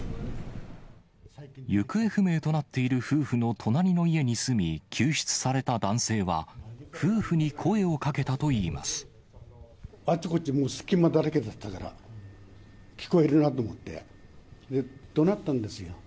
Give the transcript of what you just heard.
行方不明となっている夫婦の隣の家に住み、救出された男性は、あっちこっち、もう隙間だらけだったから、聞こえるなと思って、どなったんですよ。